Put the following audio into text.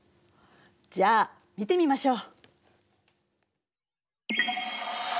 じゃあ見てみましょう。